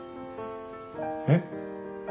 えっ？